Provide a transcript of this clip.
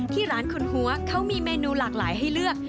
ที่ร้านคุณหัวเขามีเมนูหลากหลายให้เลือก